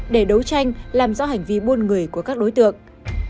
để đấu tranh làm rõ hành vi buôn người của các đối tượng